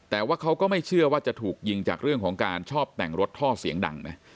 แต่ว่าเขาก็ไม่เชื่อว่าจะถูกยิงจากเรื่องของการชอบแต่งรถท่อเสียงดังนะ